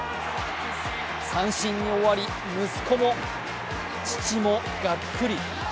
三振に終わり、息子も、父もガックリ。